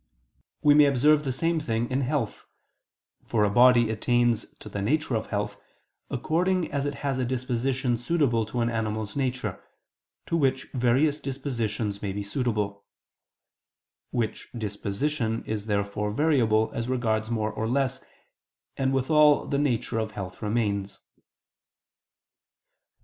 We may observe the same thing in health; for a body attains to the nature of health, according as it has a disposition suitable to an animal's nature, to which various dispositions may be suitable; which disposition is therefore variable as regards more or less, and withal the nature of health remains.